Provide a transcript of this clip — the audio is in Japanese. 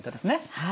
はい。